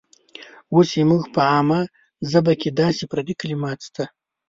اوس زموږ په عامه ژبه کې داسې پردي کلمات شته.